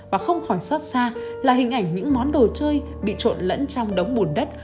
và không khỏi xót xa là hình ảnh những món đồ chơi bị trộn lẫn trong đống bùn đất